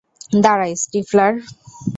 দাঁড়া, স্টিফলার।